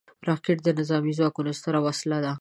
راکټ د نظامي ځواکونو ستره وسله ده